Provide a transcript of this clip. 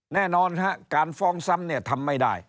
แน่นอนฮะการฟ้องซ้ำเนี่ยทำไม่ได้